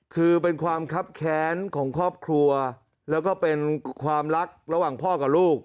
คือเป็นความคับแค้นของครอบครัวแล้วก็เป็นความรักระหว่างพ่อกับลูก